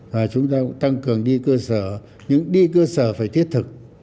và chúng ta cũng tăng cường đi cơ sở những đi cơ sở phải thiết thực